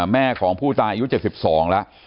แม่ของผู้ตายอายุ๗๒แล้ว